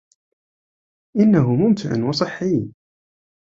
إنهُ مُمتع وصحي.